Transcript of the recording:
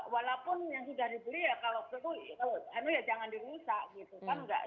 walaupun yang sudah dibeli ya kalau hanu ya jangan dirusak gitu kan